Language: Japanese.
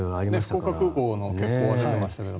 福岡空港の欠航は出ていましたけど。